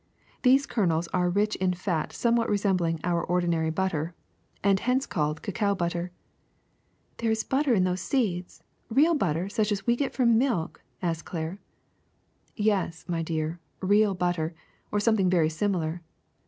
These kernels are rich in fat somewhat resembling our ordinary butter, and hence called cacao butter. ''There is butter in those seeds, real butter such as we get from milk! '^ asked Claire. Yes, my dear, real butter, or something very similar.